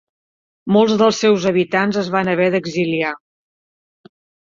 Molts dels seus habitants es van haver d'exiliar.